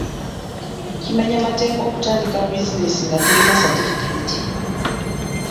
Kimenya mateeka okutandika bizineesi nga tolina satifiketi?